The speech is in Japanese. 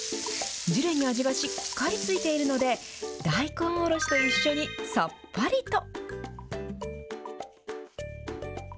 ジュレに味がしっかりついているので、大根おろしと一緒に、さっぱりと。